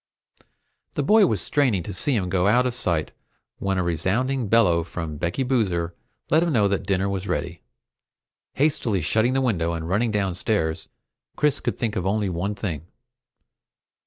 The boy was straining to see him out of sight when a resounding bellow from Becky Boozer let him know that dinner was ready. Hastily shutting the window and running downstairs, Chris could think of only one thing.